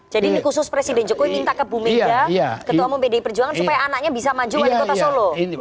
jadi ini khusus presiden jokowi minta ke ibu mega ketua bdi perjuangan supaya anaknya bisa maju wali kota solo